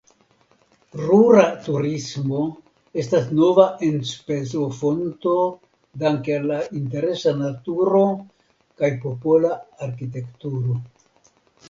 Rura turismo estas nova enspezofonto danke al la interesa naturo kaj popola arkitekturo.